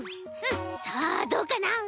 さあどうかな？